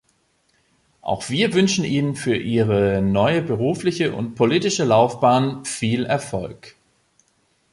Auch wir wünschen Ihnen für Ihre neue berufliche und politische Laufbahn viel Erfolg.